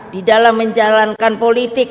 di dalam menjalankan politik